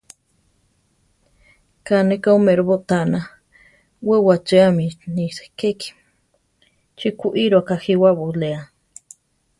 Ká ne ka oméro botána; we wachéami ni sekéki; chi kuíro akajíwa buléa.